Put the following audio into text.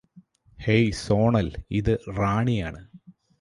hey Sonal ഇത് റാണിയാണ്